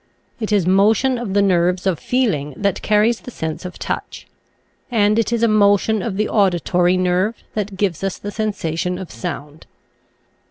It is motion of the nerves of feeling that carries the sense of touch; and it is a motion of the auditory nerve that gives us the sensation of sound.